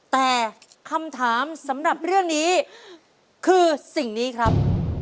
แต่คำถามสำหรับเรื่องนี้คือสิ่งนี้ครับ